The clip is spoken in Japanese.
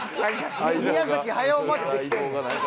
宮崎駿までできてんねん。